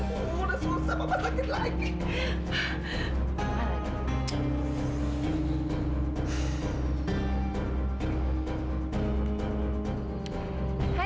udah susah papa sakit lagi